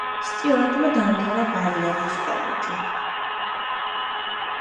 სტიუარტმა დაამთავრა ბარნარდის კოლეჯი.